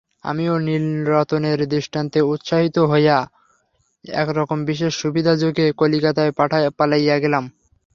আমিও নীলরতনের দৃষ্টান্তে উৎসাহিত হইয়া একসময় বিশেষ সুবিধাযোগে কলিকাতায় পালাইয়া গেলাম।